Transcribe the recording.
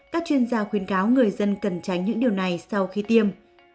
các chuyên gia khuyến cáo người dân cần tránh những điều này sau khi tiêm